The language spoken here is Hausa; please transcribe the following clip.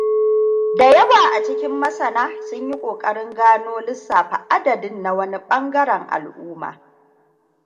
Da yawa cikin masana sunyi kokarin gano lissafa adadin na wani bangaren al’umma.